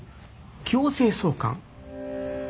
強制送還。